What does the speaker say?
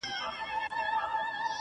د ژوند دوران ته دي کتلي گراني .